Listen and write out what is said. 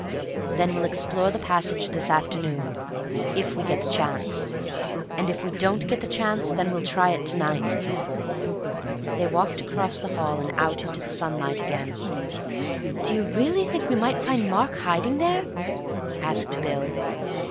"Then we'll explore the passage this afternoon, if we get the chance. And if we don't get the chance, then we'll try it to night." They walked across the hall and out into the sunlight again. "Do you really think we might find Mark hiding there?" asked Bill.